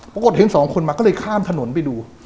ปรากฏเห็นสองคนมาก็เลยข้ามถนนไปดู